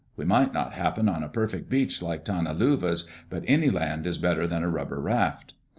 We might not happen on a perfect beach like Tana Luva's, but any land is better than a rubber raft."